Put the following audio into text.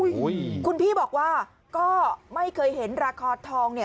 คุณพี่บอกว่าก็ไม่เคยเห็นราคาทองเนี่ย